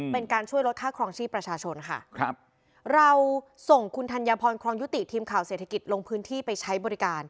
เป็นการช่วยลดค่าครองชีพประชาชนค่ะครับเราส่งคุณธัญพรครองยุติทีมข่าวเศรษฐกิจลงพื้นที่ไปใช้บริการ